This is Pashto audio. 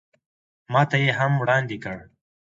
ماته یې هم وړاندې کړ.